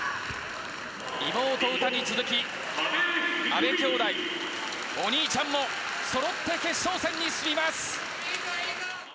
妹・詩に続き阿部兄妹、お兄ちゃんもそろって決勝戦に進みます。